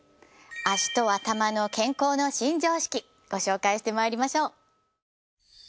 脚と頭の健康の新常識ご紹介してまいりましょう。